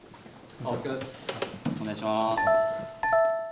お願いします。